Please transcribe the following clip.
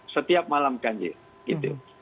setiap malam ganjil gitu